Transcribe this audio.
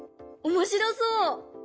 おもしろそう！